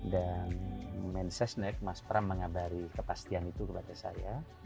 dan menses nek mas pram mengabari kepastian itu kepada saya